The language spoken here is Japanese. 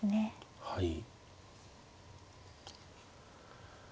はい。